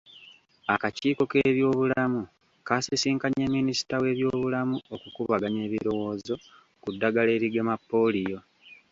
Akakiiko k'ebyobulamu kaasisinkanye Minisita w'ebyobulamu okukubaganya ebirowoozo ku ddagala erigema ppooliyo.